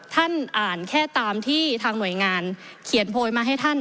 ท่านอ่านแค่ตามที่ทางหน่วยงานเขียนโพยมาให้ท่าน